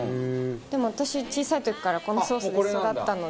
私小さい時からこのソースで育ったので。